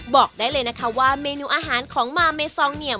บอกได้เลยนะคะว่าเมนูอาหารของมาเมซองเนียม